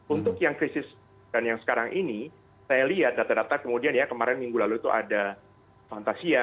untuk yang krisis dan yang sekarang ini saya lihat rata rata kemudian ya kemarin minggu lalu itu ada fantasia